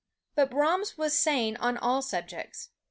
But Brahms was sane on all subjects.